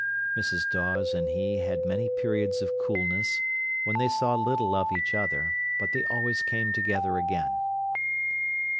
Mrs. Dawes and he had many periods of coolness, when they saw little of each other; but they always came together again.